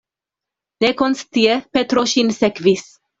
Nekonscie Petro ŝin sekvis.